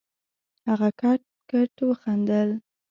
هغه کټ کټ وخندل.